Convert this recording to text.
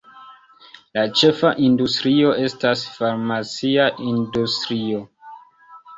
La ĉefa industrio estas farmacia industrio.